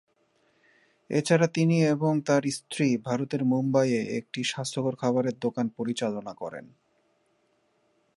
এছাড়া তিনি এবং তার স্ত্রী ভারতের মুম্বাইয়ে একটি স্বাস্থ্যকর খাবারের দোকান পরিচালনা করেন।